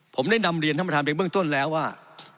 ผมได้นำเรียนท่านประธานไปเบื้องต้นแล้วว่า